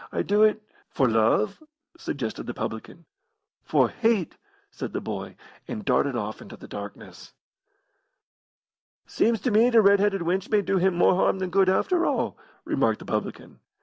I do it " "For love?" suggested the publican. "For hate!" said the boy, and darted off into the darkness. "Seems to me t' red headed wench may do him more harm than good, after all," remarked the publican.